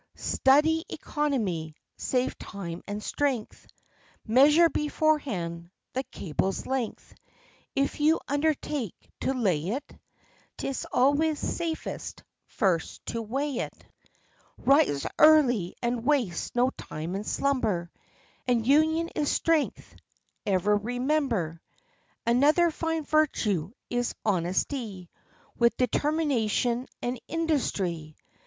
Study economy; save time and strength; Measure beforehand the cable's length; If you undertake to lay it, 'Tis always safest first to weigh it. OF CHANTICLEER. 83 Rise early, and waste no time in slumber; And ' Union is strength' ever remember. Another fine virtue is honesty, With determination and industry.